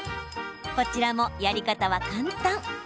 こちらも、やり方は簡単。